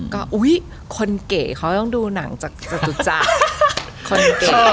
ก็อุ๊ยคนเก๋เขาต้องดูหนังจากจตุจักรคนเก๋